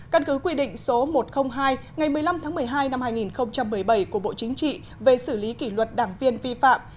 căn cứ quy định số một trăm linh hai ngày một mươi năm tháng một mươi hai năm hai nghìn một mươi bảy của bộ chính trị về xử lý kỷ luật đảng viên vi phạm